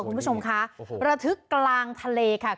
ลูกผู้ชมค่ะโอ้โหระทึกกลางทะเลค่ะ